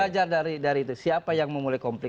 harus belajar dari itu siapa yang memulai komplik